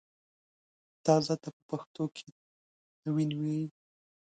تازه ته په پښتو کښې نوين وايي